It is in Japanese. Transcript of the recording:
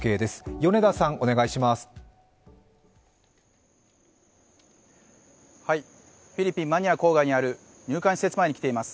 米田さん、お願いします。